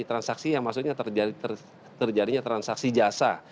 transaksi yang maksudnya terjadinya transaksi jasa